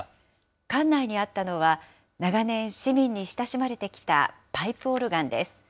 館内にあったのは、長年市民に親しまれてきたパイプオルガンです。